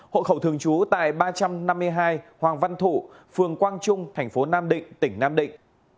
hộ khẩu thường trú tại ba trăm năm mươi hai hoàng văn thủ phường quang trung tp nam định tỉnh nam định